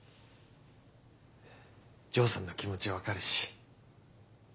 丈さんの気持ち分かるし。